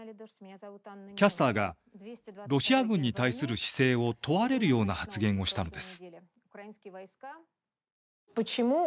キャスターが、ロシア軍に対する姿勢を問われるような発言をしたのです。